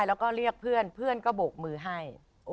แล้วก็เรียกเพื่อนเพื่อนก็โบกมือให้